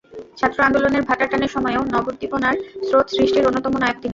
ছাত্র আন্দোলনের ভাটার টানের সময়েও নবোদ্দীপনার স্রোত সৃষ্টির অন্যতম নায়ক তিনি।